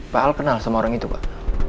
pak al kenal sama orang itu pak